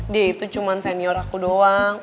dia itu cuman senior aku doang